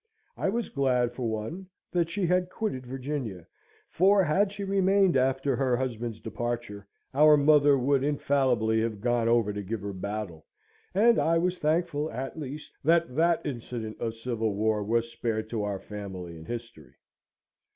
I was glad, for one, that she had quitted Virginia; for, had she remained after her husband's departure, our mother would infallibly have gone over to give her battle; and I was thankful, at least, that that terrific incident of civil war was spared to our family and history.